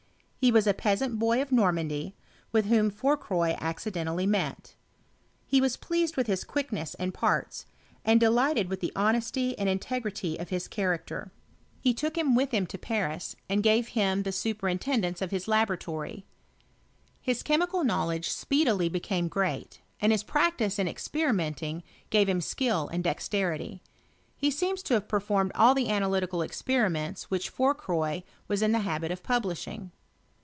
He was a peasant boy of Normandy, with whom Fourcroy ac cidentally met. He was pleased with his quickness and parts, and delighted with the honesty and in tegrity of his character. He took him with him to Pans> and gave him the superintendence of his labo« p ? I 1 r S12 HIBTOHT OF CHEHISTKT. ratory. His chemical knowledge speedily became grea.t, and his practice in experinienling gave him 8kiU and dexterity: he seems to have performed all the analytical experiments which Fourcroy was in the habit of publishing.